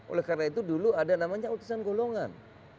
oleh karena itu dulu ada namanya utusan golongan